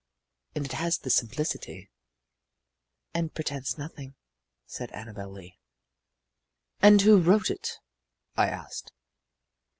"And it has the simplicity." "And pretends nothing," said Annabel Lee. "And who wrote it?" I asked.